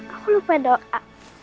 aku lupa doa